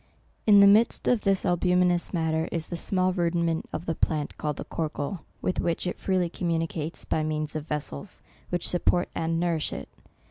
In the midst of this albuminous matter is the small rudiment of the plant, called the corcle, with which it freely communicates, by means of vessels which support and nourish it.